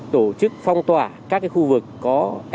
tổ chức phong tỏa các khu phong tỏa